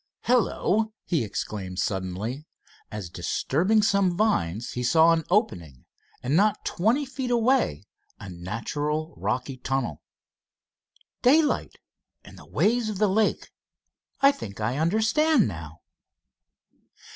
"Hello," he exclaimed suddenly, as disturbing some vines he saw an opening, and not twenty feet away a natural rocky tunnel, "daylight, and the waves of the lake. I think I understand now."